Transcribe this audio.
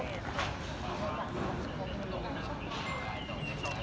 อันที่สุดท้ายก็คือภาษาอันที่สุดท้าย